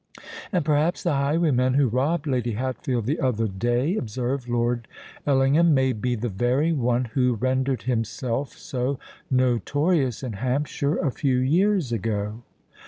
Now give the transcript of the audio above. "And perhaps the highwayman who robbed Lady Hatfield the other day," observed Lord Ellingham, "may be the very one who rendered himself so notorious in Hampshire a few years ago?"